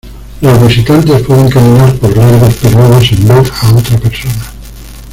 Los visitantes pueden caminar por largos períodos sin ver a otra persona.